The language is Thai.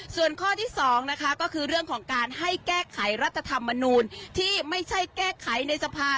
ส่วนข้อที่๒นะคะก็คือเรื่องของการให้แก้ไขรัฐธรรมนูลที่ไม่ใช่แก้ไขในสภา